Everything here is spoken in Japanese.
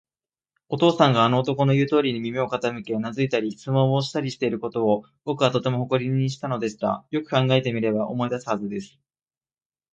お父さんがあの男のいうことに耳を傾け、うなずいたり、質問したりしていることを、ぼくはとても誇りにしたのでした。よく考えてみれば、思い出すはずです。